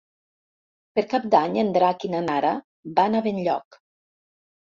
Per Cap d'Any en Drac i na Nara van a Benlloc.